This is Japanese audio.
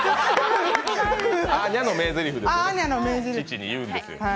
ちちに言うんですよ。